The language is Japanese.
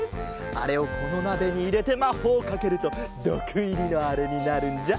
あれをこのなべにいれてまほうをかけるとどくいりのあれになるんじゃ。